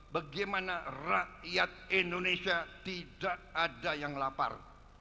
bagaimana rakyat indonesia tidak ada yang lapar